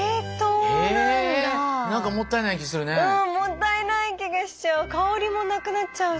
うんもったいない気がしちゃう。